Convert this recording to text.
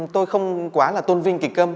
tôi không quá là tôn vinh kịch câm